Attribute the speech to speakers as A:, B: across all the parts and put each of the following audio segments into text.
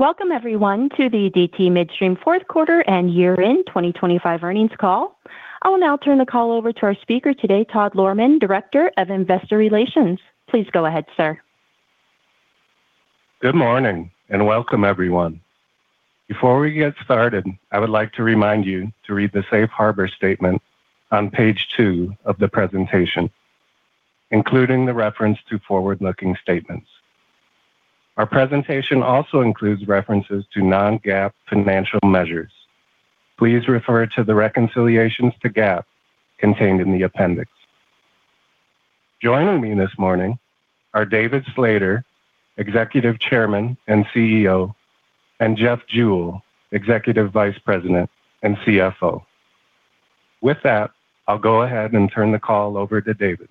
A: Welcome everyone to the DT Midstream fourth quarter and year-end 2025 earnings call. I will now turn the call over to our speaker today, Todd Lohrmann, Director of Investor Relations. Please go ahead, sir.
B: Good morning, and welcome, everyone. Before we get started, I would like to remind you to read the safe harbor statement on page 2 of the presentation, including the reference to forward-looking statements. Our presentation also includes references to non-GAAP financial measures. Please refer to the reconciliations to GAAP contained in the appendix. Joining me this morning are David Slater, Executive Chairman and CEO, and Jeff Jewell, Executive Vice President and CFO. With that, I'll go ahead and turn the call over to David.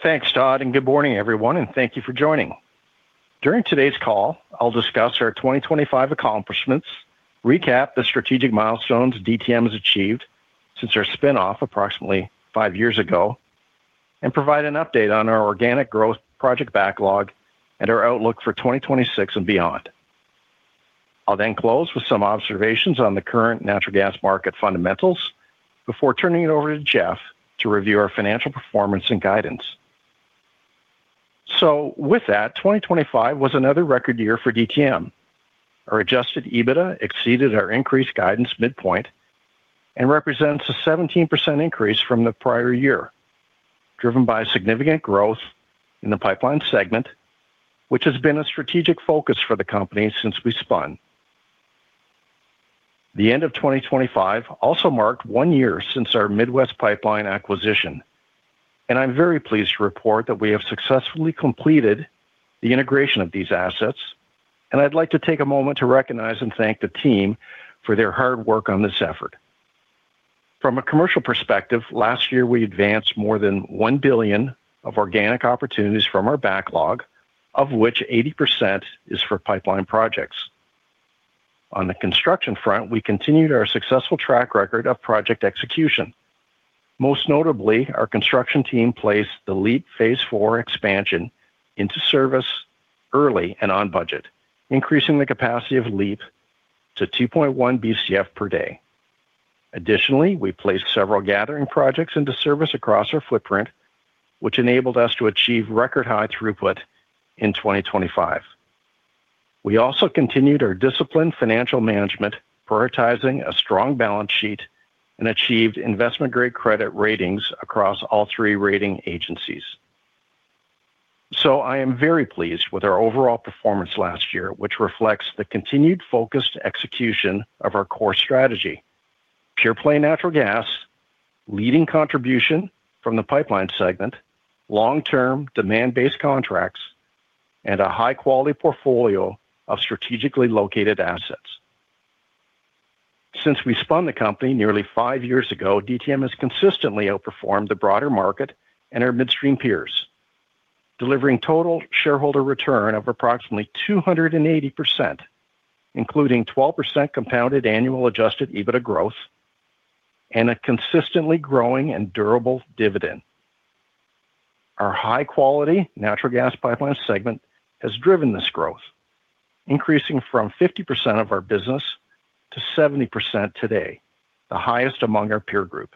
C: Thanks, Todd, and good morning, everyone, and thank you for joining. During today's call, I'll discuss our 2025 accomplishments, recap the strategic milestones DTM has achieved since our spin-off approximately 5 years ago, and provide an update on our organic growth project backlog and our outlook for 2026 and beyond. I'll then close with some observations on the current natural gas market fundamentals before turning it over to Jeff to review our financial performance and guidance. So with that, 2025 was another record year for DTM. Our adjusted EBITDA exceeded our increased guidance midpoint and represents a 17% increase from the prior year, driven by significant growth in the pipeline segment, which has been a strategic focus for the company since we spun. The end of 2025 also marked one year since our Midwest pipeline acquisition, and I'm very pleased to report that we have successfully completed the integration of these assets, and I'd like to take a moment to recognize and thank the team for their hard work on this effort. From a commercial perspective, last year, we advanced more than $1 billion of organic opportunities from our backlog, of which 80% is for pipeline projects. On the construction front, we continued our successful track record of project execution. Most notably, our construction team placed the LEAP Phase Four expansion into service early and on budget, increasing the capacity of LEAP to 2.1 Bcf/d. Additionally, we placed several gathering projects into service across our footprint, which enabled us to achieve record-high throughput in 2025. We also continued our disciplined financial management, prioritizing a strong balance sheet and achieved investment-grade credit ratings across all three rating agencies. So I am very pleased with our overall performance last year, which reflects the continued focused execution of our core strategy: pure play natural gas, leading contribution from the pipeline segment, long-term demand-based contracts, and a high-quality portfolio of strategically located assets. Since we spun the company nearly five years ago, DTM has consistently outperformed the broader market and our midstream peers, delivering total shareholder return of approximately 280%, including 12% compounded annual adjusted EBITDA growth and a consistently growing and durable dividend. Our high-quality natural gas pipeline segment has driven this growth, increasing from 50% of our business to 70% today, the highest among our peer group.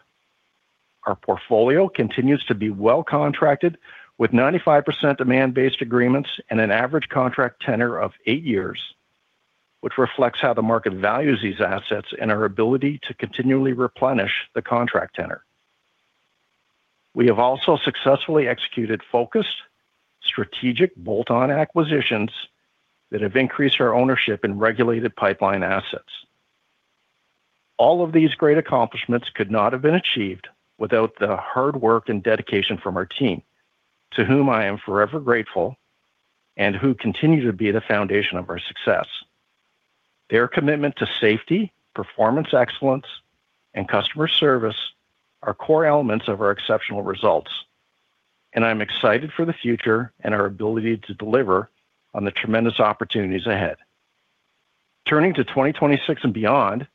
C: Our portfolio continues to be well-contracted, with 95% demand-based agreements and an average contract tenure of eight years, which reflects how the market values these assets and our ability to continually replenish the contract tenure. We have also successfully executed focused, strategic bolt-on acquisitions that have increased our ownership in regulated pipeline assets. All of these great accomplishments could not have been achieved without the hard work and dedication from our team, to whom I am forever grateful and who continue to be the foundation of our success. Their commitment to safety, performance excellence, and customer service are core elements of our exceptional results, and I'm excited for the future and our ability to deliver on the tremendous opportunities ahead. Turning to 2026 and beyond,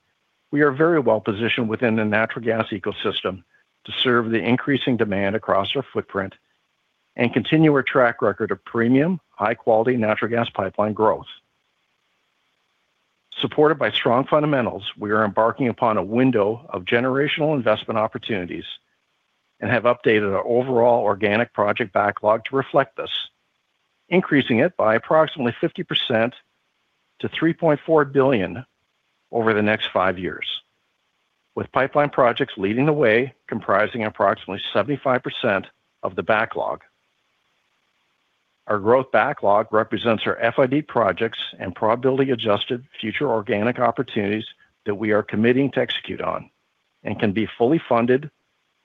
C: we are very well positioned within the natural gas ecosystem to serve the increasing demand across our footprint and continue our track record of premium, high-quality natural gas pipeline growth. Supported by strong fundamentals, we are embarking upon a window of generational investment opportunities and have updated our overall organic project backlog to reflect this, increasing it by approximately 50% to $3.4 billion over the next 5 years, with pipeline projects leading the way, comprising approximately 75% of the backlog. Our growth backlog represents our FID projects and probability-adjusted future organic opportunities that we are committing to execute on and can be fully funded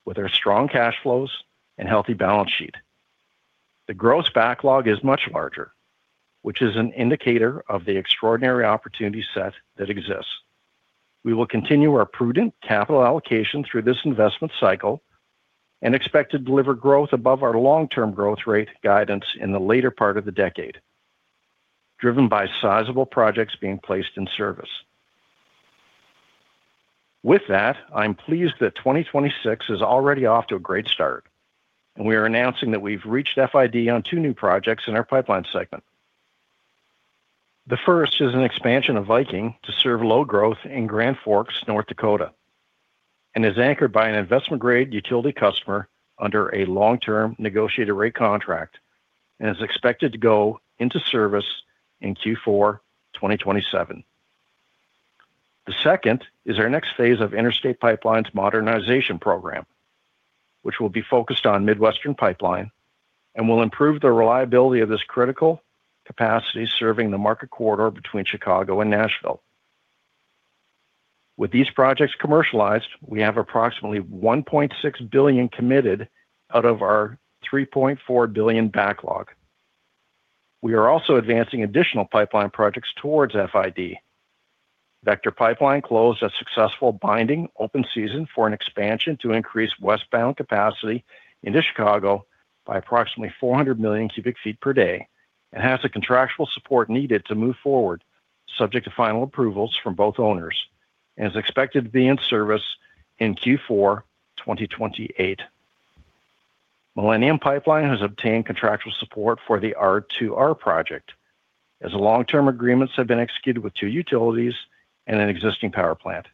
C: with our strong cash flows and healthy balance sheet. The gross backlog is much larger, which is an indicator of the extraordinary opportunity set that exists. We will continue our prudent capital allocation through this investment cycle and expect to deliver growth above our long-term growth rate guidance in the later part of the decade, driven by sizable projects being placed in service.... With that, I'm pleased that 2026 is already off to a great start, and we are announcing that we've reached FID on two new projects in our pipeline segment. The first is an expansion of Viking to serve load growth in Grand Forks, North Dakota, and is anchored by an investment-grade utility customer under a long-term negotiated rate contract and is expected to go into service in Q4 2027. The second is our next phase of Interstate Pipelines Modernization Program, which will be focused on Midwestern Pipeline and will improve the reliability of this critical capacity serving the market corridor between Chicago and Nashville. With these projects commercialized, we have approximately $1.6 billion committed out of our $3.4 billion backlog. We are also advancing additional pipeline projects towards FID. Vector Pipeline closed a successful binding open season for an expansion to increase westbound capacity into Chicago by approximately 400 million cubic feet per day, and has the contractual support needed to move forward, subject to final approvals from both owners and is expected to be in service in Q4 2028. Millennium Pipeline has obtained contractual support for the R2R project, as long-term agreements have been executed with two utilities and an existing power plant.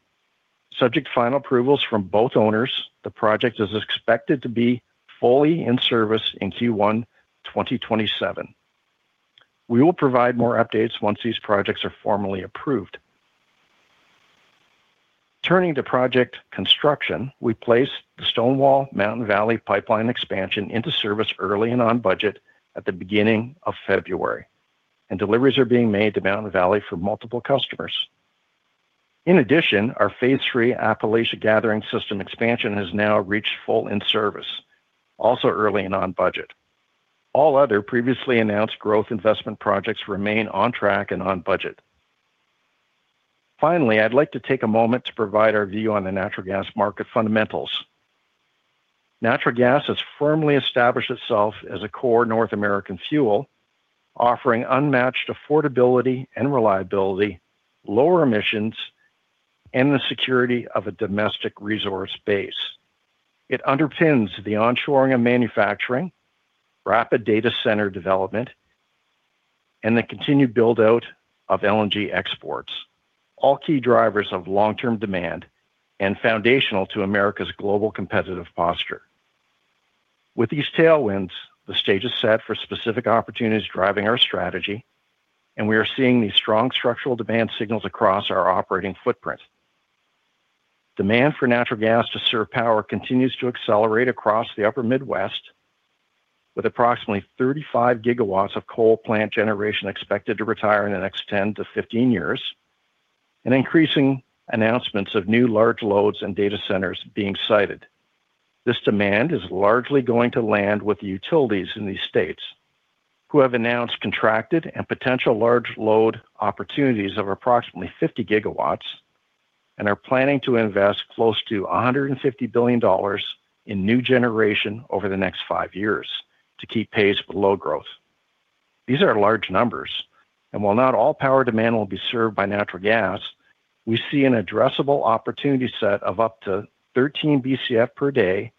C: Subject to final approvals from both owners, the project is expected to be fully in service in Q1 2027. We will provide more updates once these projects are formally approved. Turning to project construction, we placed the Stonewall Mountain Valley Pipeline expansion into service early and on budget at the beginning of February, and deliveries are being made to Mountain Valley for multiple customers. In addition, our Phase Three Appalachia Gathering System expansion has now reached fully in service, also early and on budget. All other previously announced growth investment projects remain on track and on budget. Finally, I'd like to take a moment to provide our view on the natural gas market fundamentals. Natural gas has firmly established itself as a core North American fuel, offering unmatched affordability and reliability, lower emissions, and the security of a domestic resource base. It underpins the onshoring of manufacturing, rapid data center development, and the continued build-out of LNG exports, all key drivers of long-term demand and foundational to America's global competitive posture. With these tailwinds, the stage is set for specific opportunities driving our strategy, and we are seeing these strong structural demand signals across our operating footprint. Demand for natural gas to serve power continues to accelerate across the Upper Midwest, with approximately 35 GW of coal plant generation expected to retire in the next 10-15 years and increasing announcements of new large loads and data centers being cited. This demand is largely going to land with the utilities in these states, who have announced contracted and potential large load opportunities of approximately 50 GW and are planning to invest close to $150 billion in new generation over the next 5 years to keep pace with low growth. These are large numbers, and while not all power demand will be served by natural gas, we see an addressable opportunity set of up to 13 Bcf/d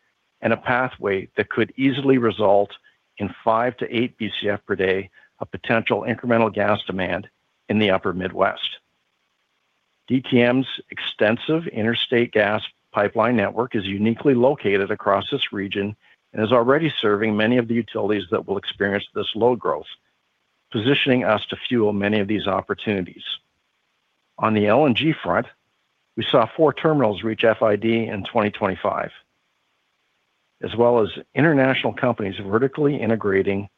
C: and a pathway that could easily result in 5-8 Bcf/d of potential incremental gas demand in the Upper Midwest. DTM's extensive interstate gas pipeline network is uniquely located across this region and is already serving many of the utilities that will experience this low growth, positioning us to fuel many of these opportunities. On the LNG front, we saw 4 terminals reach FID in 2025, as well as international companies vertically integrating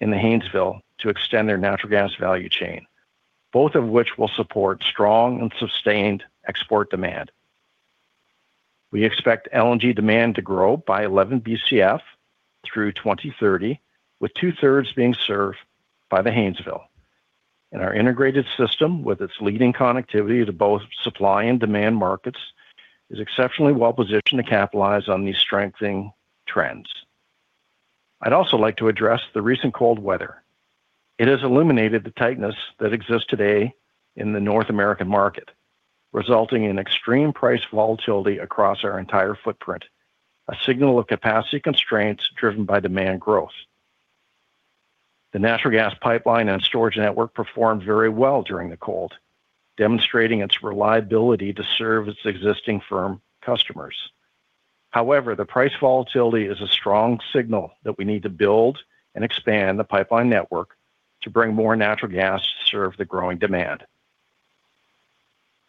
C: in the Haynesville to extend their natural gas value chain, both of which will support strong and sustained export demand. We expect LNG demand to grow by 11 Bcf through 2030, with two-thirds being served by the Haynesville. Our integrated system, with its leading connectivity to both supply and demand markets, is exceptionally well-positioned to capitalize on these strengthening trends. I'd also like to address the recent cold weather. It has illuminated the tightness that exists today in the North American market, resulting in extreme price volatility across our entire footprint, a signal of capacity constraints driven by demand growth. The natural gas pipeline and storage network performed very well during the cold, demonstrating its reliability to serve its existing firm customers. However, the price volatility is a strong signal that we need to build and expand the pipeline network to bring more natural gas to serve the growing demand.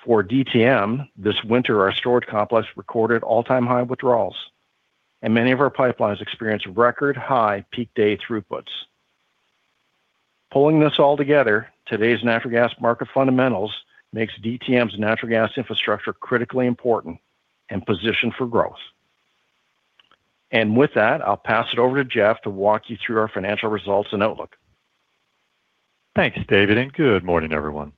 C: For DTM, this winter, our storage complex recorded all-time high withdrawals, and many of our pipelines experienced record-high peak day throughputs. Pulling this all together, today's natural gas market fundamentals makes DTM's natural gas infrastructure critically important and positioned for growth. With that, I'll pass it over to Jeff to walk you through our financial results and outlook.
D: Thanks, David, and good morning, everyone.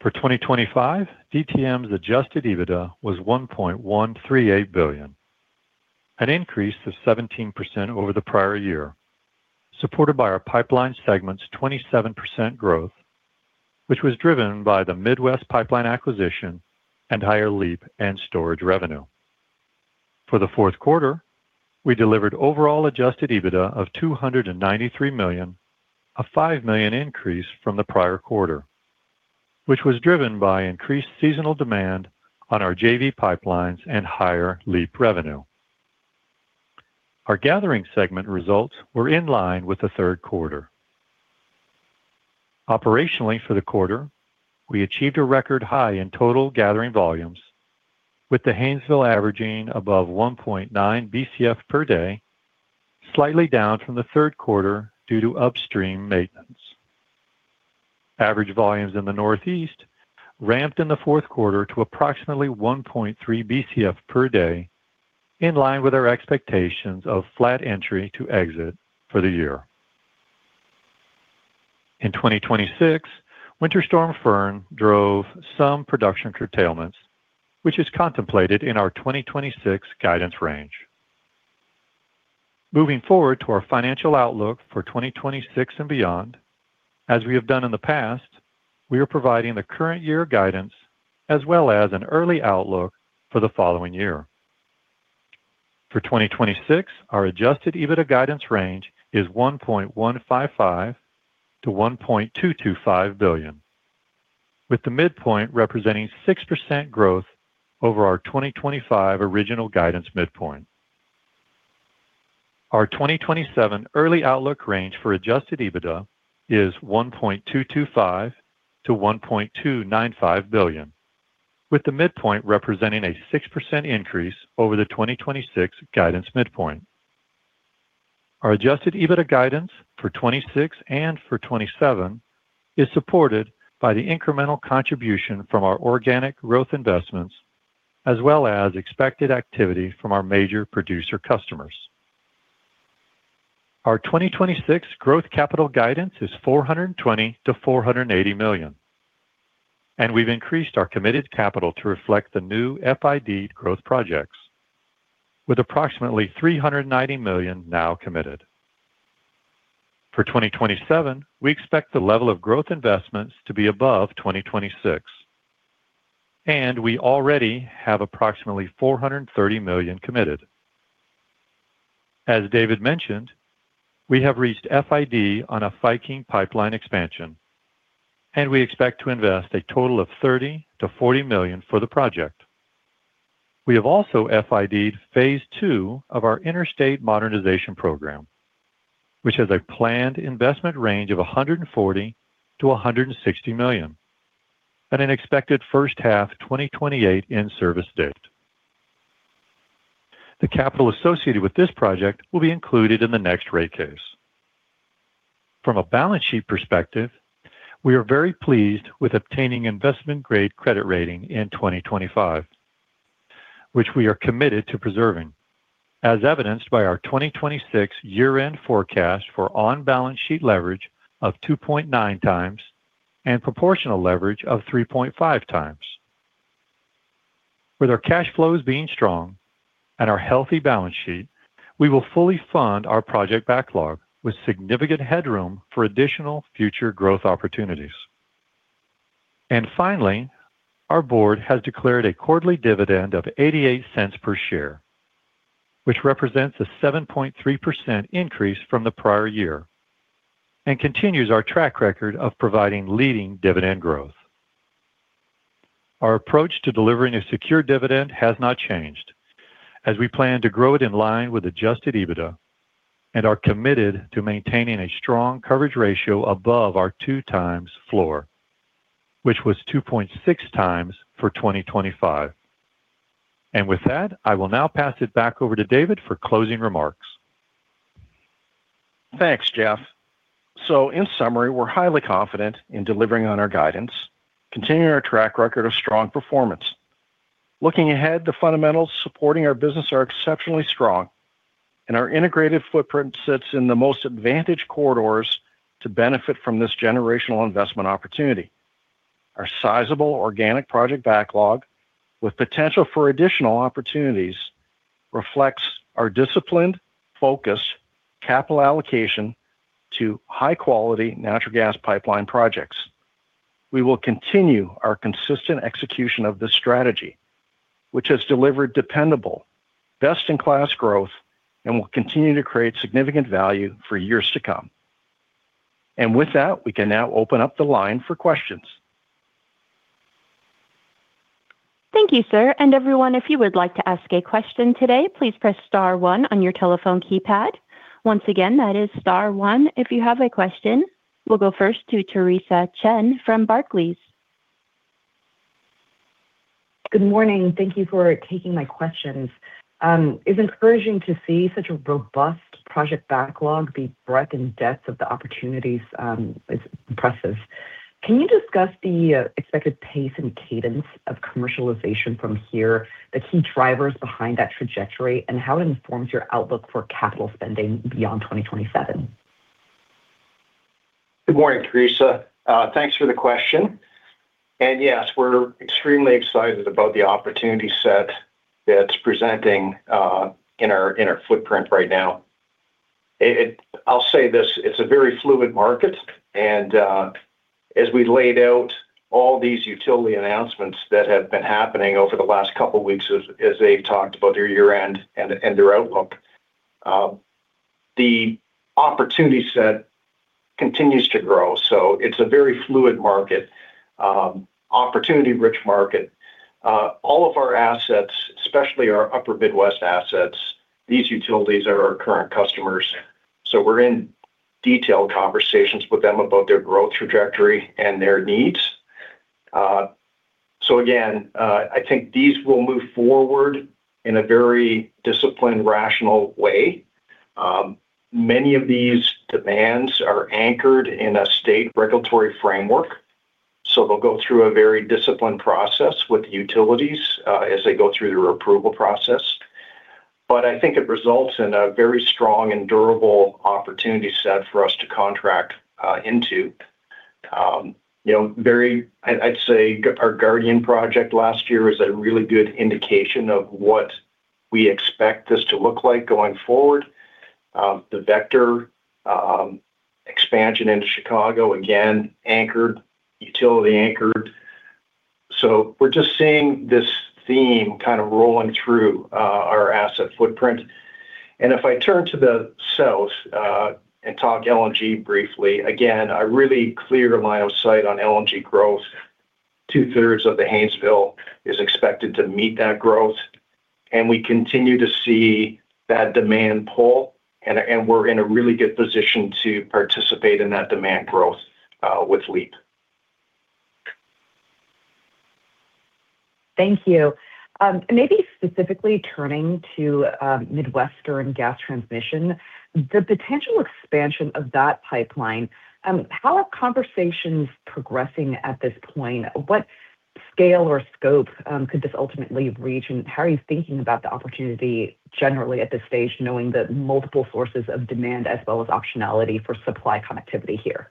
D: For 2025, DTM's Adjusted EBITDA was $1.138 billion. An increase of 17% over the prior year, supported by our pipeline segment's 27% growth, which was driven by the Midwest pipeline acquisition and higher LEAP and storage revenue. For the fourth quarter, we delivered overall Adjusted EBITDA of $293 million, a $5 million increase from the prior quarter, which was driven by increased seasonal demand on our JV pipelines and higher LEAP revenue. Our gathering segment results were in line with the third quarter. Operationally, for the quarter, we achieved a record high in total gathering volumes, with the Haynesville averaging above 1.9 Bcf/d, slightly down from the third quarter due to upstream maintenance. Average volumes in the Northeast ramped in the fourth quarter to approximately 1.3 BCF per day, in line with our expectations of flat entry to exit for the year. In 2026, Winter Storm Fern drove some production curtailments, which is contemplated in our 2026 guidance range. Moving forward to our financial outlook for 2026 and beyond, as we have done in the past, we are providing the current year guidance as well as an early outlook for the following year. For 2026, our Adjusted EBITDA guidance range is $1.155 billion-$1.225 billion, with the midpoint representing 6% growth over our 2025 original guidance midpoint. Our 2027 early outlook range for Adjusted EBITDA is $1.225 billion-$1.295 billion, with the midpoint representing a 6% increase over the 2026 guidance midpoint. Our Adjusted EBITDA guidance for 2026 and for 2027 is supported by the incremental contribution from our organic growth investments, as well as expected activity from our major producer customers. Our 2026 growth capital guidance is $420 million-$480 million, and we've increased our committed capital to reflect the new FID growth projects, with approximately $390 million now committed. For 2027, we expect the level of growth investments to be above 2026, and we already have approximately $430 million committed. As David mentioned, we have reached FID on a Viking pipeline expansion, and we expect to invest a total of $30-$40 million for the project. We have also FID-ed phase two of our interstate modernization program, which has a planned investment range of $140-$160 million and an expected first half 2028 in-service date. The capital associated with this project will be included in the next rate case. From a balance sheet perspective, we are very pleased with obtaining investment-grade credit rating in 2025, which we are committed to preserving, as evidenced by our 2026 year-end forecast for on-balance sheet leverage of 2.9 times and proportional leverage of 3.5 times. With our cash flows being strong and our healthy balance sheet, we will fully fund our project backlog with significant headroom for additional future growth opportunities. And finally, our board has declared a quarterly dividend of $0.88 per share, which represents a 7.3% increase from the prior year and continues our track record of providing leading dividend growth. Our approach to delivering a secure dividend has not changed, as we plan to grow it in line with Adjusted EBITDA and are committed to maintaining a strong coverage ratio above our 2x floor, which was 2.6x for 2025. And with that, I will now pass it back over to David for closing remarks.
C: Thanks, Jeff. In summary, we're highly confident in delivering on our guidance, continuing our track record of strong performance. Looking ahead, the fundamentals supporting our business are exceptionally strong, and our integrated footprint sits in the most advantaged corridors to benefit from this generational investment opportunity. Our sizable organic project backlog, with potential for additional opportunities, reflects our disciplined focus, capital allocation to high-quality natural gas pipeline projects. We will continue our consistent execution of this strategy, which has delivered dependable, best-in-class growth and will continue to create significant value for years to come. With that, we can now open up the line for questions.
A: Thank you, sir. Everyone, if you would like to ask a question today, please press star one on your telephone keypad. Once again, that is star one if you have a question. We'll go first to Theresa Chen from Barclays.
E: Good morning. Thank you for taking my questions. It's encouraging to see such a robust project backlog. The breadth and depth of the opportunities is impressive. Can you discuss the expected pace and cadence of commercialization from here, the key drivers behind that trajectory, and how it informs your outlook for capital spending beyond 2027?...
C: Good morning, Theresa. Thanks for the question. And yes, we're extremely excited about the opportunity set that's presenting in our footprint right now. I'll say this, it's a very fluid market, and as we laid out all these utility announcements that have been happening over the last couple of weeks, as they've talked about their year-end and their outlook, the opportunity set continues to grow. So it's a very fluid market, opportunity-rich market. All of our assets, especially our Upper Midwest assets, these utilities are our current customers, so we're in detailed conversations with them about their growth trajectory and their needs. So again, I think these will move forward in a very disciplined, rational way. Many of these demands are anchored in a state regulatory framework, so they'll go through a very disciplined process with utilities, as they go through their approval process. But I think it results in a very strong and durable opportunity set for us to contract, into. You know, very, I'd say our Guardian project last year is a really good indication of what we expect this to look like going forward. The Vector expansion into Chicago, again, anchored, utility anchored. So we're just seeing this theme kind of rolling through, our asset footprint. And if I turn to the south, and talk LNG briefly, again, a really clear line of sight on LNG growth. Two-thirds of the Haynesville is expected to meet that growth, and we continue to see that demand pull, and we're in a really good position to participate in that demand growth with LEAP.
E: Thank you. Maybe specifically turning to Midwestern Gas Transmission, the potential expansion of that pipeline, how are conversations progressing at this point? What scale or scope could this ultimately reach, and how are you thinking about the opportunity generally at this stage, knowing that multiple sources of demand as well as optionality for supply connectivity here?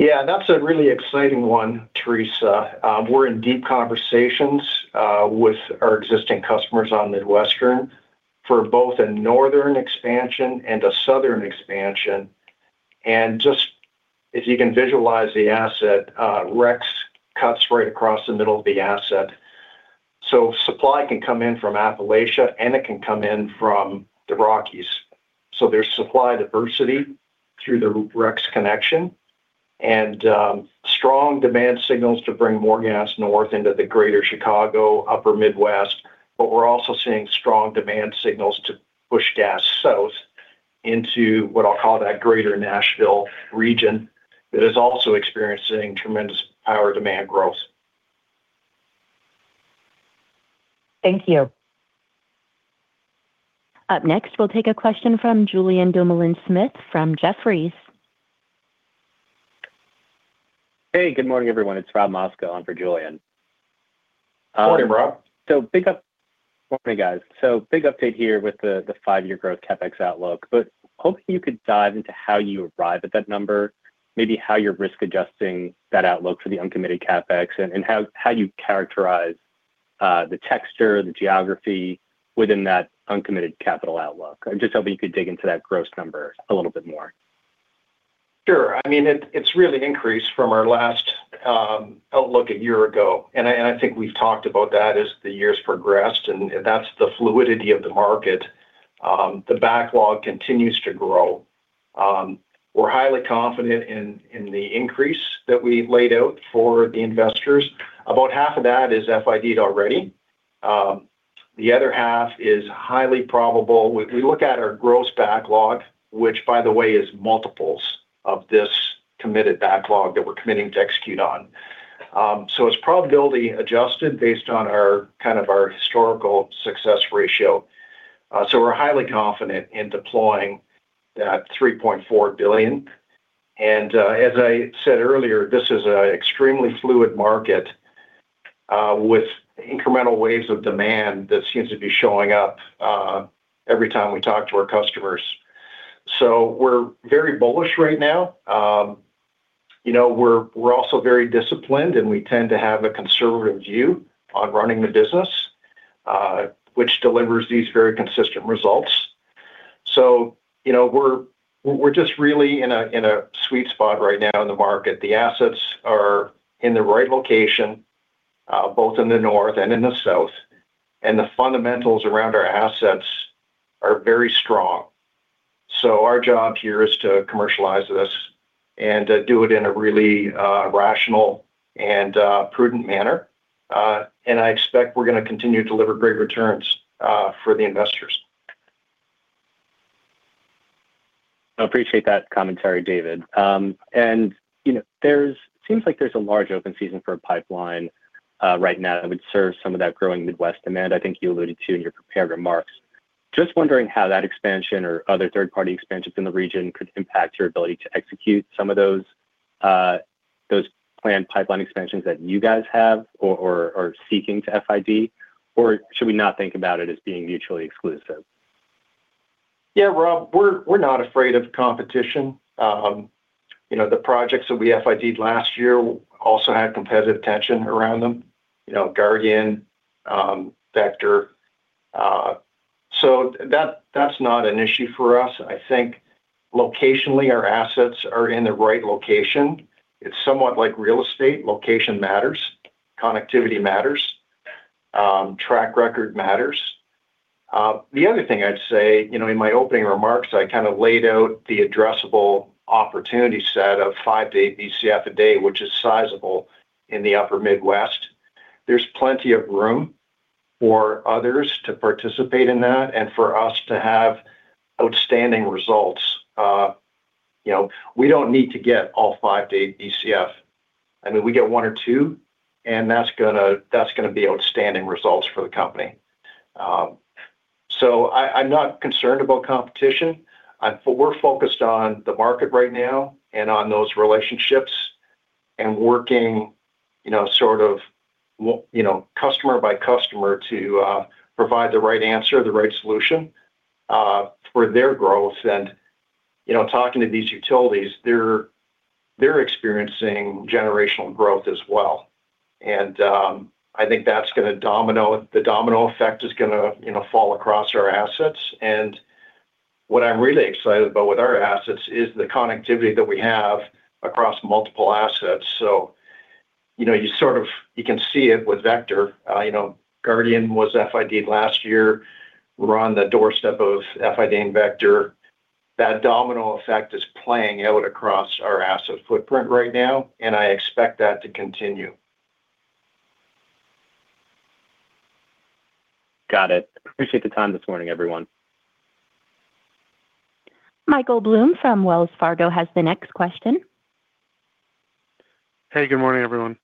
C: Yeah, that's a really exciting one, Theresa. We're in deep conversations with our existing customers on Midwestern for both a northern expansion and a southern expansion. And just if you can visualize the asset, REX cuts right across the middle of the asset, so supply can come in from Appalachia, and it can come in from the Rockies. So there's supply diversity through the REX connection and strong demand signals to bring more gas north into the greater Chicago, Upper Midwest. But we're also seeing strong demand signals to push gas south into what I'll call that greater Nashville region, that is also experiencing tremendous power demand growth.
E: Thank you.
A: Up next, we'll take a question from Julien Dumoulin-Smith from Jefferies.
F: Hey, good morning, everyone. It's Robert Mosca in for Julian.
C: Good morning, Rob.
F: Good morning, guys. So big update here with the five-year growth CapEx outlook, but hopefully you could dive into how you arrive at that number, maybe how you're risk adjusting that outlook for the uncommitted CapEx, and how you characterize the texture, the geography within that uncommitted capital outlook. I'm just hoping you could dig into that gross number a little bit more.
C: Sure. I mean, it's really increased from our last outlook a year ago, and I think we've talked about that as the years progressed, and that's the fluidity of the market. The backlog continues to grow. We're highly confident in the increase that we've laid out for the investors. About half of that is FID already. The other half is highly probable. We look at our gross backlog, which, by the way, is multiples of this committed backlog that we're committing to execute on. So it's probability adjusted based on our kind of historical success ratio. So we're highly confident in deploying that $3.4 billion. As I said earlier, this is a extremely fluid market, with incremental waves of demand that seems to be showing up, every time we talk to our customers. So we're very bullish right now. You know, we're also very disciplined, and we tend to have a conservative view on running the business, which delivers these very consistent results. So, you know, we're just really in a sweet spot right now in the market. The assets are in the right location, both in the north and in the south, and the fundamentals around our assets are very strong. So our job here is to commercialize this and, do it in a really, rational and, prudent manner. And I expect we're gonna continue to deliver great returns, for the investors.
F: I appreciate that commentary, David. And, you know, seems like there's a large open season for a pipeline right now that would serve some of that growing Midwest demand I think you alluded to in your prepared remarks. Just wondering how that expansion or other third-party expansions in the region could impact your ability to execute some of those? Those planned pipeline expansions that you guys have or are seeking to FID, or should we not think about it as being mutually exclusive?
C: Yeah, Rob, we're not afraid of competition. You know, the projects that we FID last year also had competitive tension around them, you know, Guardian, Vector. So that's not an issue for us. I think locationally, our assets are in the right location. It's somewhat like real estate, location matters, connectivity matters, track record matters. The other thing I'd say, you know, in my opening remarks, I kind of laid out the addressable opportunity set of 5-8 Bcf/d, which is sizable in the Upper Midwest. There's plenty of room for others to participate in that and for us to have outstanding results. You know, we don't need to get all 5-8 Bcf. I mean, we get one or two, and that's gonna be outstanding results for the company. So I'm not concerned about competition. We're focused on the market right now and on those relationships and working, you know, sort of, well, you know, customer by customer to provide the right answer, the right solution for their growth. You know, talking to these utilities, they're experiencing generational growth as well. I think that's gonna, the domino effect is gonna, you know, fall across our assets. And what I'm really excited about with our assets is the connectivity that we have across multiple assets. So, you know, you sort of, you can see it with Vector. You know, Guardian was FID last year. We're on the doorstep of FID and Vector. That domino effect is playing out across our asset footprint right now, and I expect that to continue.
F: Got it. Appreciate the time this morning, everyone.
A: Michael Blum from Wells Fargo has the next question.
G: Hey, good morning, everyone.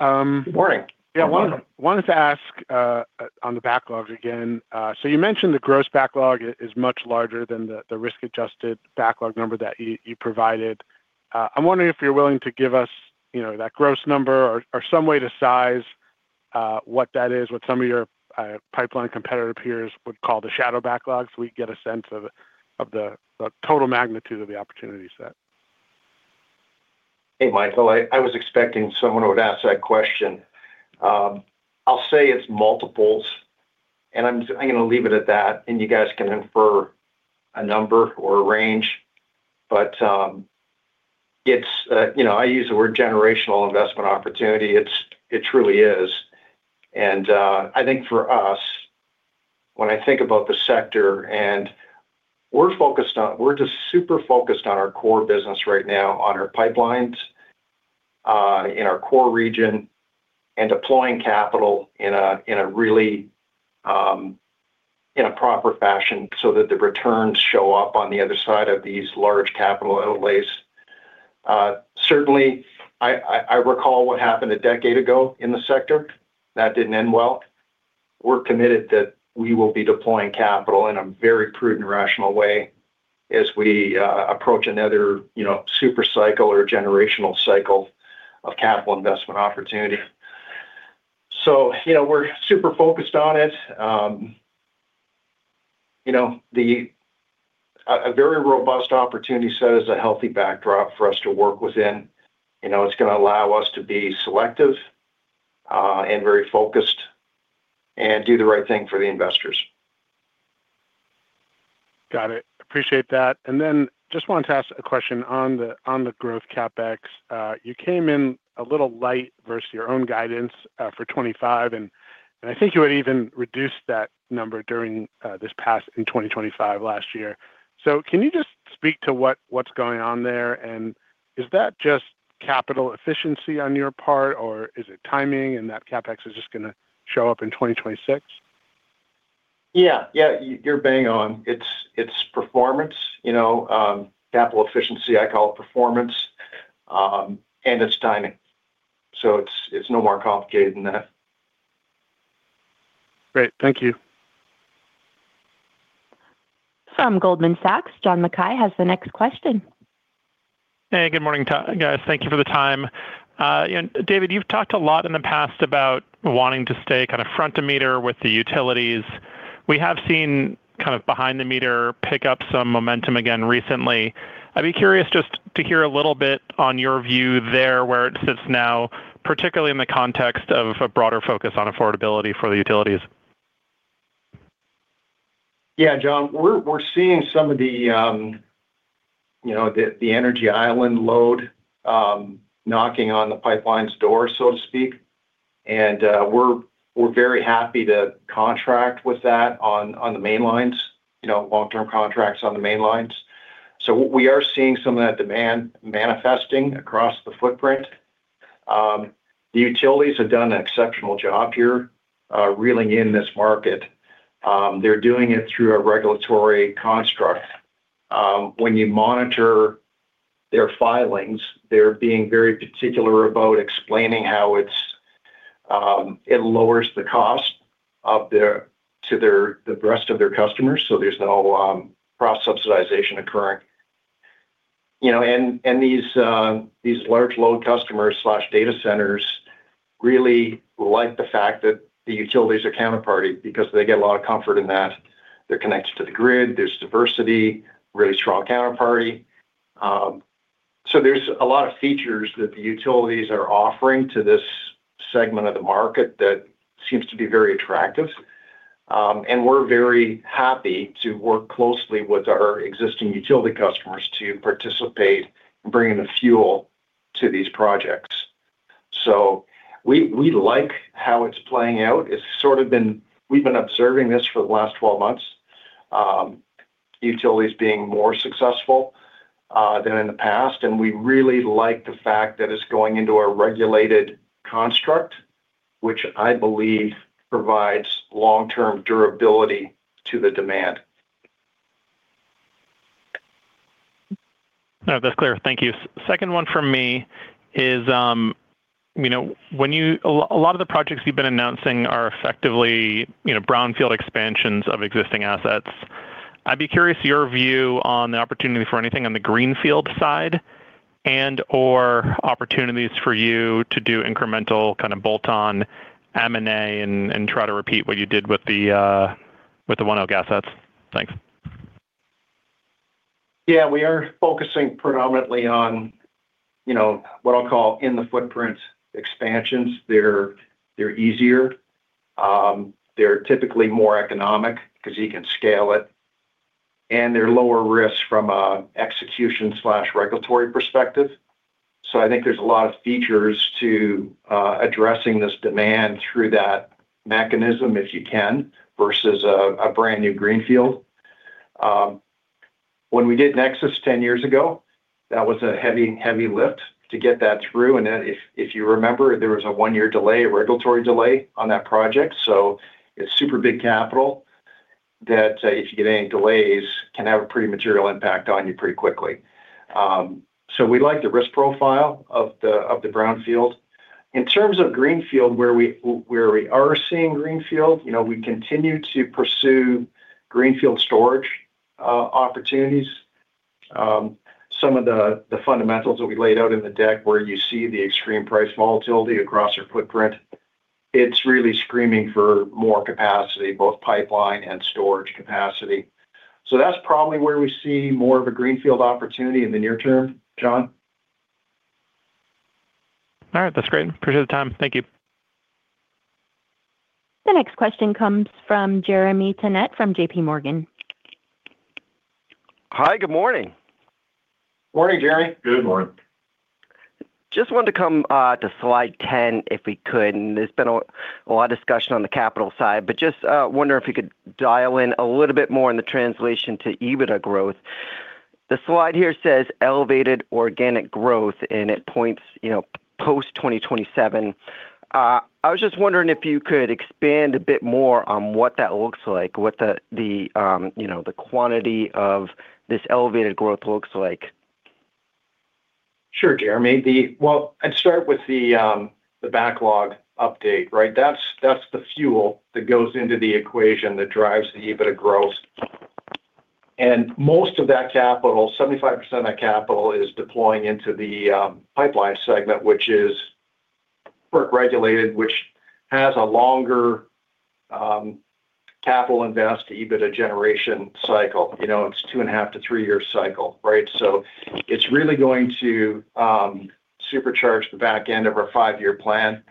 C: Good morning.
G: Yeah. Wanted to ask on the backlogs again. So you mentioned the gross backlog is much larger than the risk-adjusted backlog number that you provided. I'm wondering if you're willing to give us, you know, that gross number or some way to size what that is, what some of your pipeline competitor peers would call the shadow backlogs, we get a sense of the total magnitude of the opportunity set.
C: Hey, Michael, I was expecting someone would ask that question. I'll say it's multiples, and I'm gonna leave it at that, and you guys can infer a number or a range. But, it's you know, I use the word generational investment opportunity. It truly is. And, I think for us, when I think about the sector, and we're focused on, we're just super focused on our core business right now, on our pipelines, in our core region, and deploying capital in a really proper fashion so that the returns show up on the other side of these large capital outlays. Certainly, I recall what happened a decade ago in the sector. That didn't end well. We're committed that we will be deploying capital in a very prudent and rational way as we approach another, you know, super cycle or generational cycle of capital investment opportunity. So, you know, we're super focused on it. You know, a very robust opportunity set is a healthy backdrop for us to work within. You know, it's gonna allow us to be selective and very focused, and do the right thing for the investors.
G: Got it. Appreciate that. And then just wanted to ask a question on the growth CapEx. You came in a little light versus your own guidance for 25, and I think you had even reduced that number during this past in 2025 last year. So can you just speak to what's going on there? And is that just capital efficiency on your part, or is it timing, and that CapEx is just gonna show up in 2026?
C: Yeah. Yeah, you're bang on. It's performance, you know, capital efficiency. I call it performance, and it's timing. So it's no more complicated than that.
G: Great. Thank you.
A: From Goldman Sachs, John Mackay has the next question.
H: Hey, good morning to you guys. Thank you for the time. And David, you've talked a lot in the past about wanting to stay kind of front of meter with the utilities. We have seen kind of behind the meter pick up some momentum again recently. I'd be curious just to hear a little bit on your view there, where it sits now, particularly in the context of a broader focus on affordability for the utilities.
C: Yeah, John, we're, we're seeing some of the, you know, the, the energy island load, knocking on the pipeline's door, so to speak. And, we're, we're very happy to contract with that on, on the main lines, you know, long-term contracts on the main lines. So we are seeing some of that demand manifesting across the footprint. The utilities have done an exceptional job here, reeling in this market. They're doing it through a regulatory construct. When you monitor their filings, they're being very particular about explaining how it's, it lowers the cost of their-- to their, the rest of their customers, so there's no, cross-subsidization occurring. You know, and these large load customers/data centers really like the fact that the utilities are counterparty because they get a lot of comfort in that they're connected to the grid, there's diversity, really strong counterparty. So there's a lot of features that the utilities are offering to this segment of the market that seems to be very attractive. And we're very happy to work closely with our existing utility customers to participate in bringing the fuel to these projects. So we, we like how it's playing out. It's sort of been. We've been observing this for the last 12 months, utilities being more successful than in the past, and we really like the fact that it's going into a regulated construct, which I believe provides long-term durability to the demand.
H: No, that's clear. Thank you. Second one from me is, you know, when you... A lot of the projects you've been announcing are effectively, you know, brownfield expansions of existing assets. I'd be curious your view on the opportunity for anything on the greenfield side and/or opportunities for you to do incremental kind of bolt-on M&A and, and try to repeat what you did with the, with the ONEOK assets. Thanks.
C: Yeah, we are focusing predominantly on, you know, what I'll call in-the-footprint expansions. They're easier, they're typically more economic 'cause you can scale it, and they're lower risk from an execution/regulatory perspective. So I think there's a lot of features to addressing this demand through that mechanism, if you can, versus a brand-new greenfield. When we did NEXUS 10 years ago, that was a heavy, heavy lift to get that through, and then if you remember, there was a 1-year delay, a regulatory delay on that project. So it's super big capital that if you get any delays, can have a pretty material impact on you pretty quickly. So we like the risk profile of the brownfield. In terms of greenfield, where we are seeing greenfield, you know, we continue to pursue greenfield storage opportunities. Some of the fundamentals that we laid out in the deck, where you see the extreme price volatility across our footprint, it's really screaming for more capacity, both pipeline and storage capacity. So that's probably where we see more of a greenfield opportunity in the near term. John?
H: All right. That's great. Appreciate the time. Thank you.
A: The next question comes from Jeremy Tonet from JP Morgan.
I: Hi, good morning.
C: Morning, Jeremy. Good morning.
I: Just wanted to come to slide 10, if we could, and there's been a lot of discussion on the capital side, but just wondering if you could dial in a little bit more on the translation to EBITDA growth. The slide here says, "elevated organic growth," and it points, you know, post-2027. I was just wondering if you could expand a bit more on what that looks like, what the, the, you know, the quantity of this elevated growth looks like.
C: Sure, Jeremy. Well, I'd start with the backlog update, right? That's the fuel that goes into the equation that drives the EBITDA growth. And most of that capital, 75% of that capital, is deploying into the pipeline segment, which is FERC regulated, which has a longer capital invest EBITDA generation cycle. You know, it's a 2.5-3-year cycle, right? So it's really going to supercharge the back end of our five-year plan.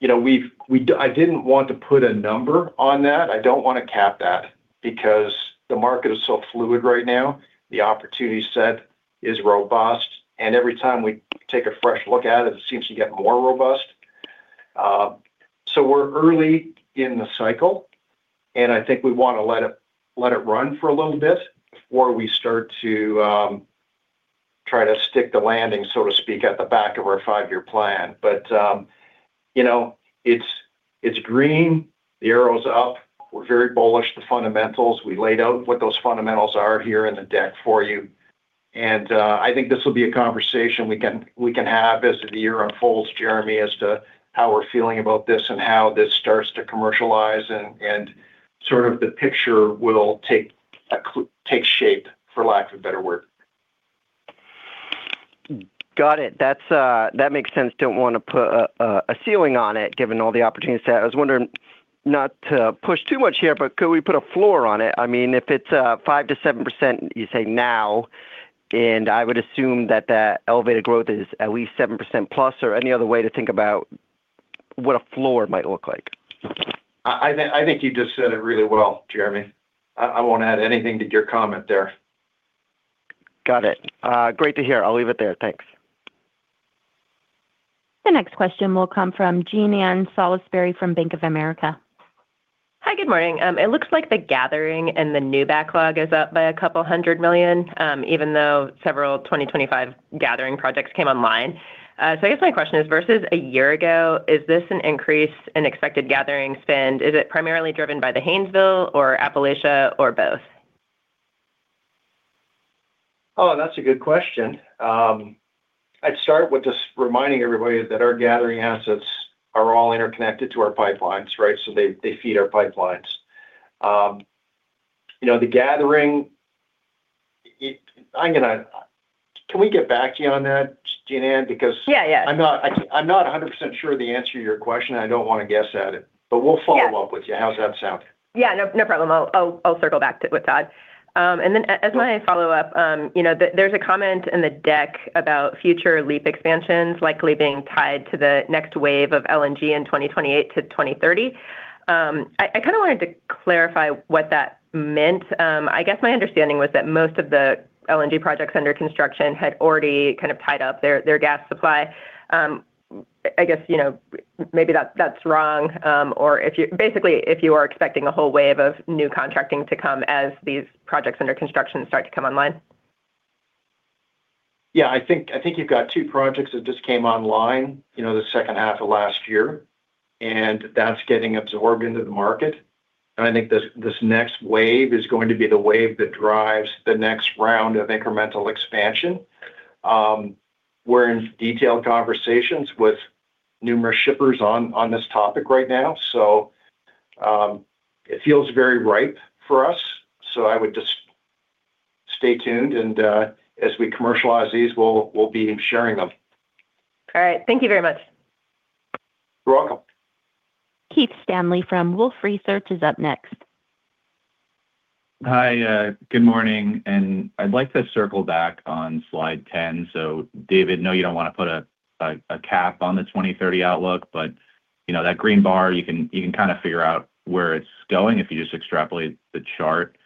C: You know, I didn't want to put a number on that. I don't wanna cap that because the market is so fluid right now. The opportunity set is robust, and every time we take a fresh look at it, it seems to get more robust. So we're early in the cycle, and I think we wanna let it, let it run for a little bit before we start to try to stick the landing, so to speak, at the back of our five-year plan. But you know, it's, it's green. The arrow's up. We're very bullish to fundamentals. We laid out what those fundamentals are here in the deck for you, and I think this will be a conversation we can, we can have as the year unfolds, Jeremy, as to how we're feeling about this and how this starts to commercialize, and sort of the picture will take shape, for lack of a better word.
I: Got it. That makes sense. Don't wanna put a ceiling on it, given all the opportunities there. I was wondering, not to push too much here, but could we put a floor on it? I mean, if it's 5%-7%, you say now, and I would assume that the elevated growth is at least 7%+, or any other way to think about what a floor might look like.
C: I think you just said it really well, Jeremy. I won't add anything to your comment there.
I: Got it. Great to hear. I'll leave it there. Thanks.
A: The next question will come from Jean Ann Salisbury from Bank of America.
J: Hi, good morning. It looks like the gathering and the new backlog is up by $200 million, even though several 2025 gathering projects came online. So I guess my question is, versus a year ago, is this an increase in expected gathering spend? Is it primarily driven by the Haynesville or Appalachia or both?...
C: Oh, that's a good question. I'd start with just reminding everybody that our gathering assets are all interconnected to our pipelines, right? So they feed our pipelines. You know, the gathering. Can we get back to you on that, Jeanne Anne? Because-
J: Yeah, yeah.
C: I'm not, I'm not 100% sure of the answer to your question. I don't want to guess at it, but we'll-
J: Yeah...
C: follow up with you. How does that sound?
J: Yeah, no, no problem. I'll circle back with Todd. And then as my follow-up, you know, there's a comment in the deck about future LEAP expansions likely being tied to the next wave of LNG in 2028-2030. I kind of wanted to clarify what that meant. I guess my understanding was that most of the LNG projects under construction had already kind of tied up their gas supply. I guess, you know, maybe that's wrong, or if you - basically, if you are expecting a whole wave of new contracting to come as these projects under construction start to come online.
C: Yeah, I think, I think you've got two projects that just came online, you know, the second half of last year, and that's getting absorbed into the market. And I think this, this next wave is going to be the wave that drives the next round of incremental expansion. We're in detailed conversations with numerous shippers on, on this topic right now, so, it feels very ripe for us. So I would just stay tuned and, as we commercialize these, we'll, we'll be sharing them.
J: All right. Thank you very much.
C: You're welcome.
A: Keith Stanley from Wolfe Research is up next.
K: Hi, good morning, and I'd like to circle back on slide 10. So David, know you don't want to put a cap on the 2030 outlook, but, you know, that green bar, you can kind of figure out where it's going if you just extrapolate the chart.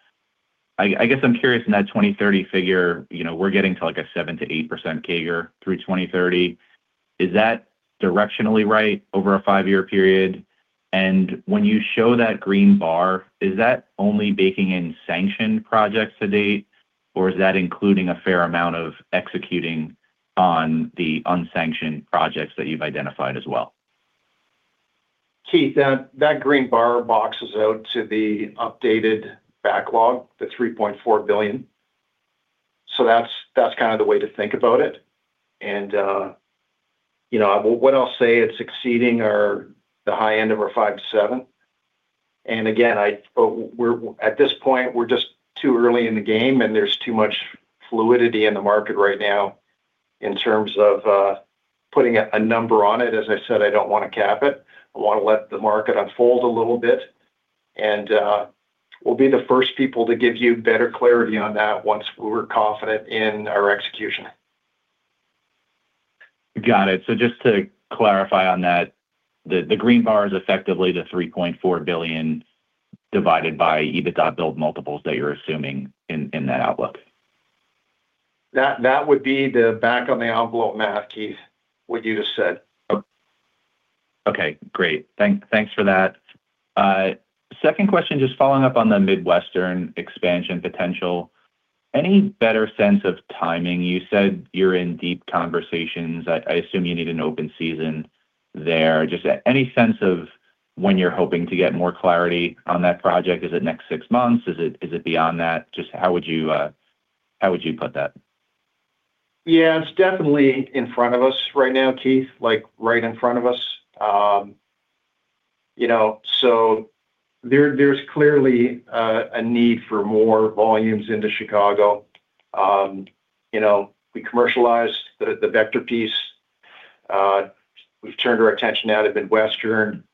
K: I guess I'm curious, in that 2030 figure, you know, we're getting to, like, a 7%-8% CAGR through 2030. Is that directionally right over a five-year period? And when you show that green bar, is that only baking in sanctioned projects to date, or is that including a fair amount of executing on the unsanctioned projects that you've identified as well?
C: Keith, that green bar boxes out to the updated backlog, the $3.4 billion. So that's kind of the way to think about it. And you know, what I'll say, it's exceeding our, the high end of our 5-7. And again, we're, at this point, we're just too early in the game and there's too much fluidity in the market right now in terms of putting a number on it. As I said, I don't want to cap it. I want to let the market unfold a little bit, and we'll be the first people to give you better clarity on that once we're confident in our execution.
K: Got it. So just to clarify on that, the green bar is effectively the $3.4 billion divided by EBITDA build multiples that you're assuming in that outlook?
C: That would be the back-of-the-envelope math, Keith, what you just said.
K: Okay, great. Thanks for that. Second question, just following up on the Midwestern expansion potential. Any better sense of timing? You said you're in deep conversations. I assume you need an open season there. Just any sense of when you're hoping to get more clarity on that project? Is it next six months? Is it beyond that? Just how would you put that?
C: Yeah, it's definitely in front of us right now, Keith, like, right in front of us. You know, so there's clearly a need for more volumes into Chicago. You know, we commercialized the Vector piece. We've turned our attention now to Midwestern.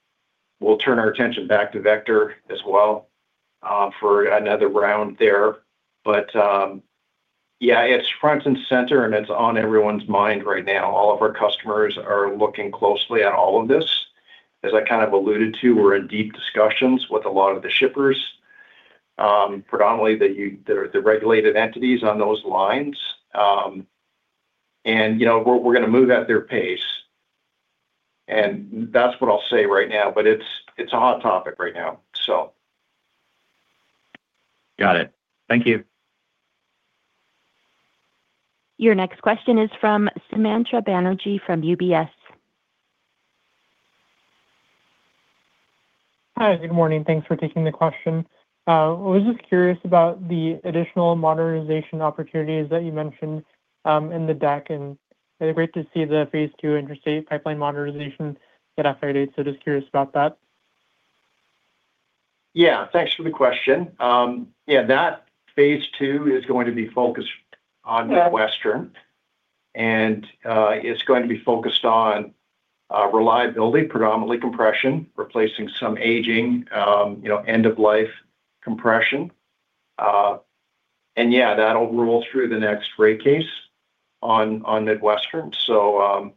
C: We'll turn our attention back to Vector as well, for another round there. But, yeah, it's front and center, and it's on everyone's mind right now. All of our customers are looking closely at all of this. As I kind of alluded to, we're in deep discussions with a lot of the shippers, predominantly the regulated entities on those lines. And, you know, we're gonna move at their pace, and that's what I'll say right now, but it's a hot topic right now, so.
K: Got it. Thank you.
A: Your next question is from Samantha Banerjee from UBS.
L: Hi, good morning. Thanks for taking the question. I was just curious about the additional modernization opportunities that you mentioned, in the deck, and it's great to see the phase two interstate pipeline modernization get updated, so just curious about that.
C: Yeah, thanks for the question. Yeah, that phase two is going to be focused on Midwestern-
L: Yeah...
C: and, it's going to be focused on reliability, predominantly compression, replacing some aging, you know, end-of-life compression. And yeah, that'll roll through the next rate case on Midwestern. So,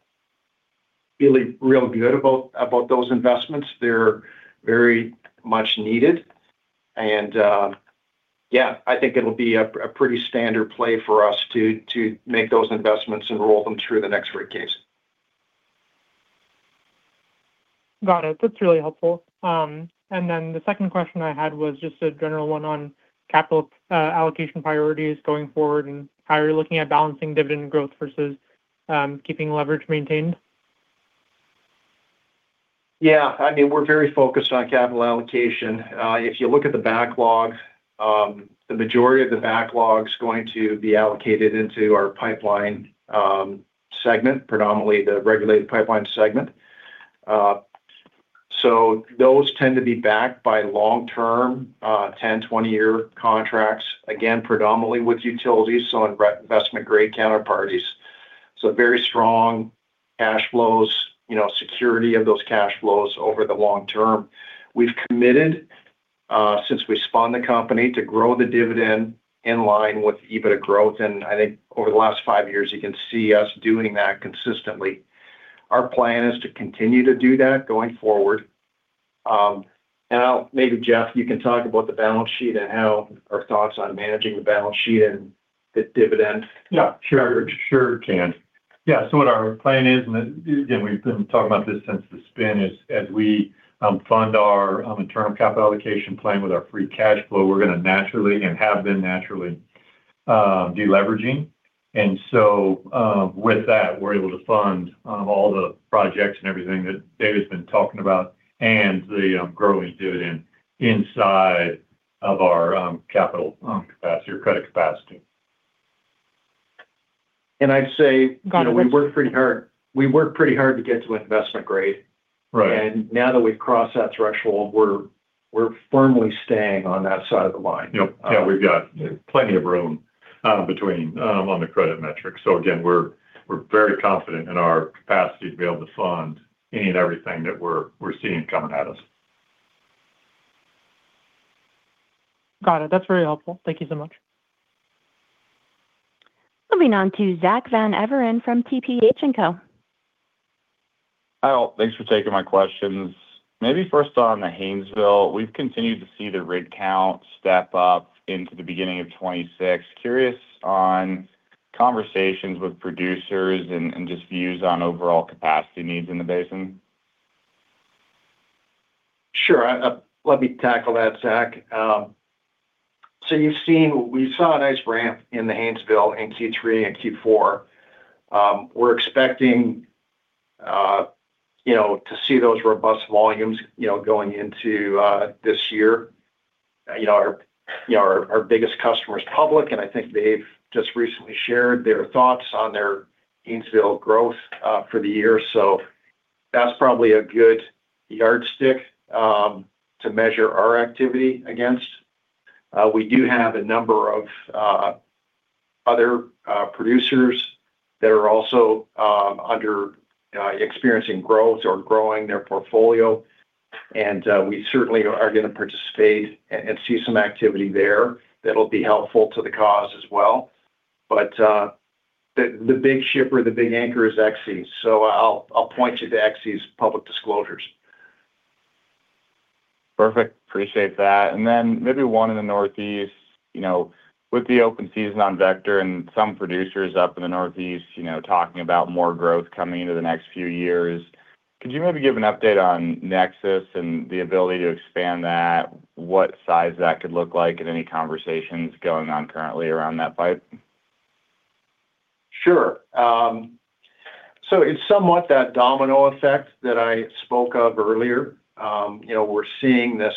C: feeling real good about those investments. They're very much needed, and yeah, I think it'll be a pretty standard play for us to make those investments and roll them through the next rate case.
L: Got it. That's really helpful. And then the second question I had was just a general one on capital allocation priorities going forward and how you're looking at balancing dividend growth versus keeping leverage maintained?...
C: Yeah, I mean, we're very focused on capital allocation. If you look at the backlog, the majority of the backlog's going to be allocated into our pipeline segment, predominantly the regulated pipeline segment. So those tend to be backed by long-term, 10-, 20-year contracts, again, predominantly with utilities, so investment-grade counterparties. So very strong cash flows, you know, security of those cash flows over the long term. We've committed, since we spun the company to grow the dividend in line with EBITDA growth, and I think over the last five years, you can see us doing that consistently. Our plan is to continue to do that going forward. And I'll maybe, Jeff, you can talk about the balance sheet and how our thoughts on managing the balance sheet and the dividend.
D: Yeah, sure. Sure can. Yeah, so what our plan is, and we've been talking about this since the spin, is as we fund our interim capital allocation plan with our free cash flow, we're gonna naturally and have been naturally deleveraging. And so, with that, we're able to fund all the projects and everything that David's been talking about and the growing dividend inside of our capital capacity or credit capacity.
C: And I'd say-
L: Got it...
C: We worked pretty hard, we worked pretty hard to get to Investment grade.
D: Right.
C: Now that we've crossed that threshold, we're firmly staying on that side of the line.
D: Yep. Yeah, we've got plenty of room, between, on the credit metrics. So again, we're very confident in our capacity to be able to fund any and everything that we're seeing coming at us.
L: Got it. That's very helpful. Thank you so much.
A: Moving on to Zack Van Everen from TPH & Co.
M: Hi, all. Thanks for taking my questions. Maybe first on the Haynesville, we've continued to see the rig count step up into the beginning of 2026. Curious on conversations with producers and just views on overall capacity needs in the basin.
C: Sure. Let me tackle that, Zack. So you've seen—we saw a nice ramp in the Haynesville in Q3 and Q4. We're expecting, you know, to see those robust volumes, you know, going into this year. You know, our biggest customer is public, and I think they've just recently shared their thoughts on their Haynesville growth for the year, so that's probably a good yardstick to measure our activity against. We do have a number of other producers that are also undergoing growth or growing their portfolio, and we certainly are gonna participate and see some activity there that'll be helpful to the cause as well. But the big shipper, the big anchor is EXE, so I'll point you to EXE's public disclosures.
M: Perfect. Appreciate that. And then maybe one in the Northeast, you know, with the open season on Vector and some producers up in the Northeast, you know, talking about more growth coming into the next few years, could you maybe give an update on Nexus and the ability to expand that, what size that could look like, and any conversations going on currently around that pipe?
C: Sure. So it's somewhat that domino effect that I spoke of earlier. You know, we're seeing this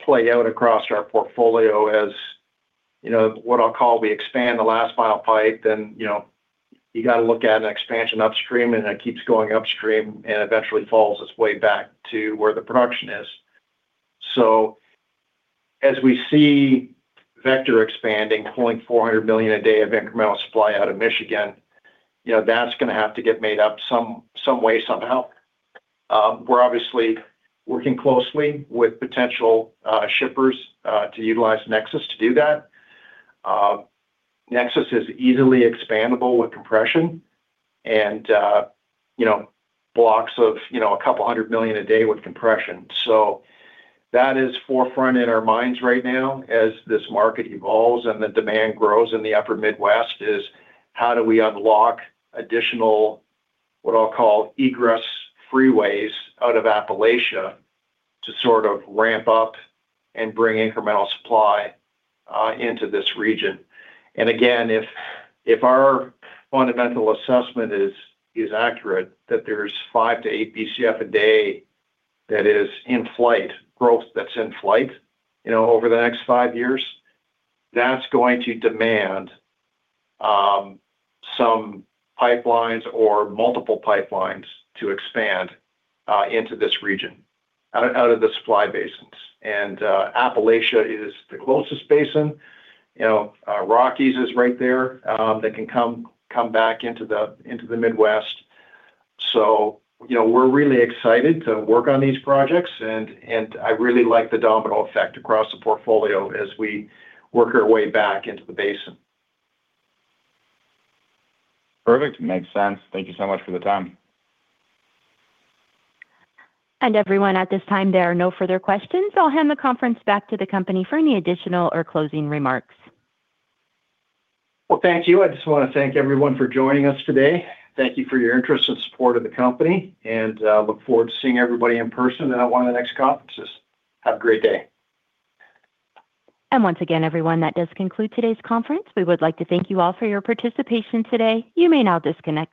C: play out across our portfolio as, you know, what I'll call we expand the last mile pipe, then, you know, you got to look at an expansion upstream, and it keeps going upstream and eventually falls its way back to where the production is. So as we see Vector expanding, pulling 400 million a day of incremental supply out of Michigan, you know, that's gonna have to get made up some way, somehow. We're obviously working closely with potential shippers to utilize Nexus to do that. Nexus is easily expandable with compression and, you know, blocks of, you know, a couple hundred million a day with compression. So that is forefront in our minds right now as this market evolves and the demand grows in the Upper Midwest, is how do we unlock additional, what I'll call, egress freeways out of Appalachia to sort of ramp up and bring incremental supply, into this region. And again, if our fundamental assessment is accurate, that there's 5-8 Bcf/d that is in flight, growth that's in flight, you know, over the next five years, that's going to demand, some pipelines or multiple pipelines to expand, into this region, out of, out of the supply basins. And, Appalachia is the closest basin. You know, Rockies is right there, that can come back into the Midwest. You know, we're really excited to work on these projects, and I really like the domino effect across the portfolio as we work our way back into the basin.
M: Perfect. Makes sense. Thank you so much for the time.
A: Everyone, at this time, there are no further questions. I'll hand the conference back to the company for any additional or closing remarks.
C: Well, thank you. I just want to thank everyone for joining us today. Thank you for your interest and support of the company, and look forward to seeing everybody in person at one of the next conferences. Have a great day.
A: Once again, everyone, that does conclude today's conference. We would like to thank you all for your participation today. You may now disconnect.